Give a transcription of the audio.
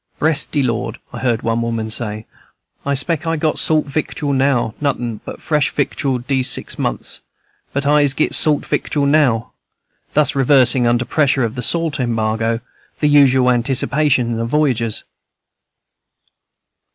"Bress de Lord," I heard one woman say, "I spec' I got salt victual now, notin' but fresh victual dese six months, but Ise get salt victual now," thus reversing, under pressure of the salt embargo, the usual anticipations of voyagers.